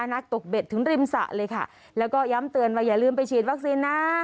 นักตกเบ็ดถึงริมสระเลยค่ะแล้วก็ย้ำเตือนว่าอย่าลืมไปฉีดวัคซีนนะ